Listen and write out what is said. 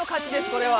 これは。